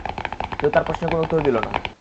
কেউ তার প্রশ্নের কোন উত্তর দিল না।